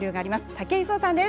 武井壮さんです。